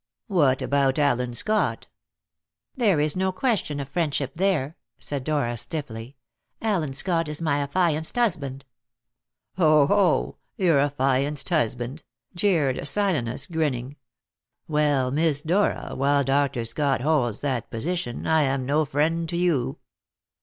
"What about Allen Scott?" "There is no question of friendship there," said Dora stiffly. "Allen Scott is my affianced husband." "Ho, ho! Your affianced husband!" jeered Silenus, grinning. "Well, Miss Dora, while Dr. Scott holds that position, I am no friend to you."